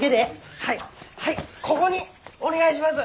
はいはいこごにお願いします！